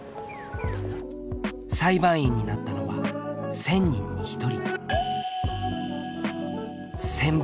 裁判員になったのは１０００人に１人。